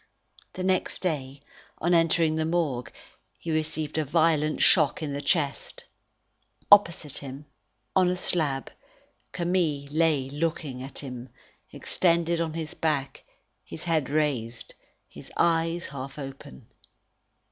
The next day, on entering the Morgue, he received a violent shock in the chest. Opposite him, on a slab, Camille lay looking at him, extended on his back, his head raised, his eyes half open.